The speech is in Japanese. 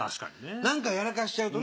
何かやらかしちゃうとね